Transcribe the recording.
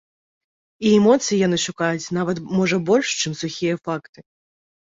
І эмоцыі яны шукаюць нават можа больш, чым сухія факты.